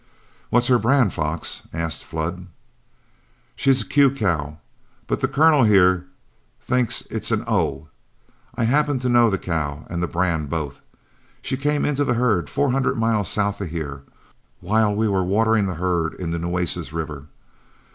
"What's her brand, Fox?" asked Flood. "She's a 'Q' cow, but the colonel here thinks it's an 'O.' I happen to know the cow and the brand both; she came into the herd four hundred miles south of here while we were watering the herd in the Nueces River.